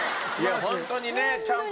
ホントにねちゃんと。